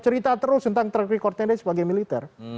cerita terus tentang track recordnya sebagai militer